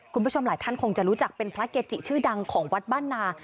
คุณผู้ชมหลายท่านคงจะรู้จักเป็นพระเกจิชื่อดังของวัดบ้านนา